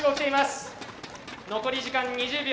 残り時間２０秒。